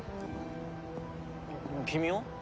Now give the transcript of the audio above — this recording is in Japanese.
君は？